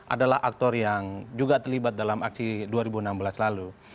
adalah aktor yang juga terlibat dalam aksi dua ribu enam belas lalu